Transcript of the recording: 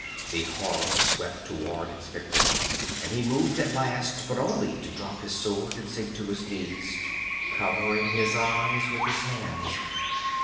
The horror swept toward its victim and he moved at last, but only to drop his sword and sink to his knees, covering his eyes with his hands.